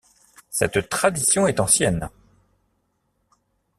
Cette tradition est ancienne.